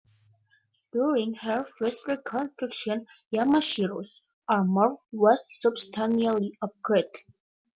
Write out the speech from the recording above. During her first reconstruction "Yamashiro"s armor was substantially upgraded.